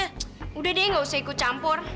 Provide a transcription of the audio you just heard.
ck udah deh gak usah ikut campur